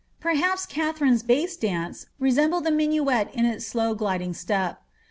Perftiaps Katharine's b€ue dance resembled the minuet in its slow gbding step.